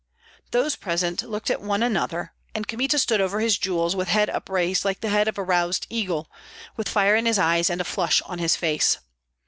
Those present looked at one another and Kmita stood over his jewels with head upraised like the head of a roused eagle, with fire in his eyes and a flush on his face.